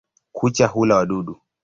Kucha hula wadudu.